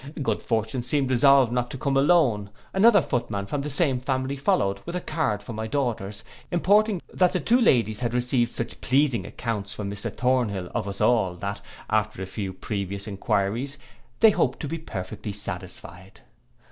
Good fortune seemed resolved not to come alone. Another footman from the same family followed, with a card for my daughters, importing, that the two ladies had received such pleasing accounts from Mr Thornhill of us all, that, after a few previous enquiries, they hoped to be perfectly satisfied.